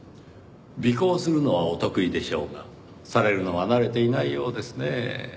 尾行するのはお得意でしょうがされるのは慣れていないようですねぇ。